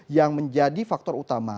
yang menjadi faktor utama